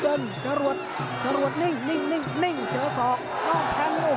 ติดตามยังน้อยกว่า